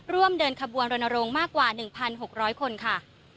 ร่วมเดินขบวนโรนโรงมากกว่า๑๖๐๐คนค่ะ